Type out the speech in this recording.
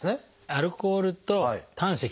「アルコール」と「胆石」